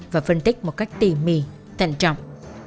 và phân tích một cách tỉ mì tận trọng